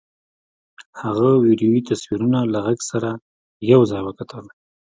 هغه ویډیويي تصویرونه له غږ سره یو ځای وکتل